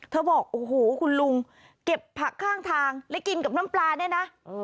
บอกโอ้โหคุณลุงเก็บผักข้างทางและกินกับน้ำปลาเนี่ยนะ